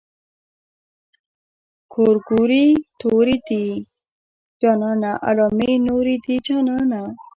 ګورګورې تورې دي جانانه علامې نورې دي جانانه.